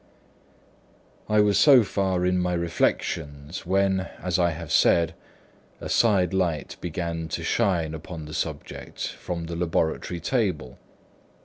I was so far in my reflections when, as I have said, a side light began to shine upon the subject from the laboratory table.